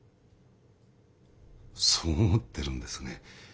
そう思ってるんですね。